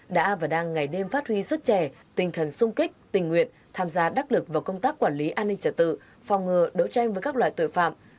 đã và đang ngày đêm phát huy sức trẻ tinh thần sung kích tình nguyện tham gia đắc lực vào công tác quản lý an ninh trả tự phòng ngừa đấu tranh với các loại tội phạm